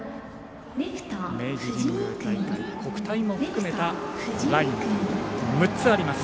明治神宮大会国体も含めたライン６つあります。